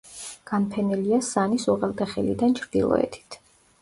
განფენილია სანის უღელტეხილიდან ჩრდილოეთით.